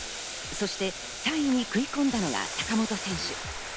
そして３位に食い込んだのが坂本選手。